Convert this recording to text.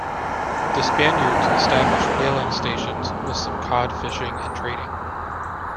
The Spaniards established whaling stations with some cod fishing and trading.